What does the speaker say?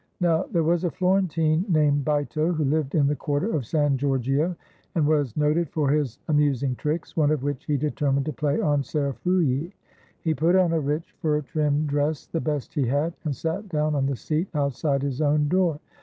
Now there was a Florentine named Bito, who lived in the quarter of San Giorgio and was noted for his amus ing tricks, one of which he determined to play on Ser Frulli. He put on a rich, fur trimmed dress, the best he had, and sat down on the seat outside his own door.